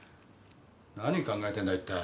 何考えてるんだ？